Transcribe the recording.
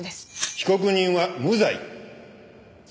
被告人は無罪。